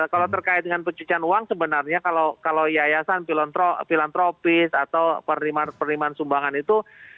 kalau terkait dengan pencucian uang sebenarnya kalau yayasan filantropis atau penerimaan sumbangan itu